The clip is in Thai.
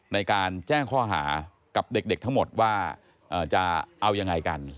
ในการแจ้งข้อหากับเด็กทั้งหมดว่าจะเอายังไงกัน